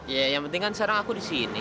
ya yang penting kan sekarang aku disini